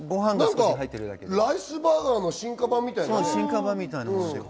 ライスバーガーの進化版みたいなね。